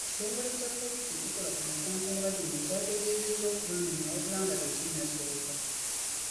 Ekitongole kya Poliisi ekikola ku misango nga gino kyagezezaako okubanoonya wabula nga tekinnasoboka